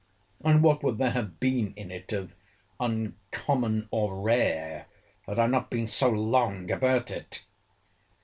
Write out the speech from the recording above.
And what would there have been in it of uncommon or rare, had I not been so long about it?